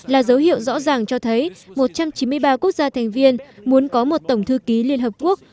là dấu hiệu rõ ràng cho thấy một trăm chín mươi ba quốc gia thành viên muốn có một tổng thư ký liên hợp quốc